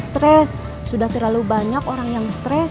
tidak tidak sampai stres sudah terlalu banyak orang yang stres